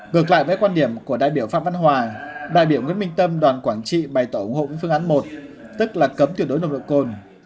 ngược lại với quan điểm của đại biểu phạm văn hòa đại biểu nguyễn minh tâm đoàn quảng trị bày tỏ ủng hộ với phương án một tức là cấm tuyệt đối nồng độ cồn